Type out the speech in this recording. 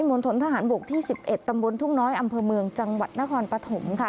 ณฑนทหารบกที่๑๑ตำบลทุ่งน้อยอำเภอเมืองจังหวัดนครปฐมค่ะ